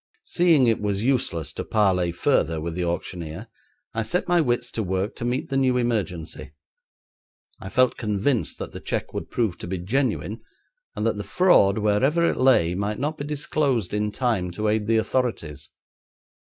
Seeing it was useless to parley further with the auctioneer, I set my wits to work to meet the new emergency. I felt convinced that the cheque would prove to be genuine, and that the fraud, wherever it lay, might not be disclosed in time to aid the authorities.